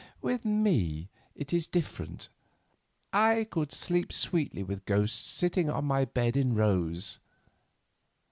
With me it is different; I could sleep sweetly with ghosts sitting on my bed in rows."